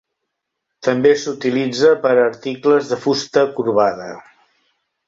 També s'utilitza per a articles de fusta corbada.